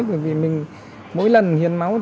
bởi vì mình mỗi lần hiến máu